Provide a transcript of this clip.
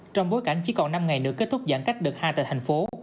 trong bối cảnh chỉ còn năm ngày nữa kết thúc giãn cách đợt hai tại thành phố